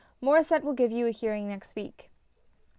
" Maur^sset will give you a hearing next week."